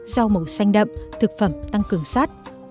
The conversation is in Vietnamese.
rau màu xanh đậm thực phẩm tăng cường sắt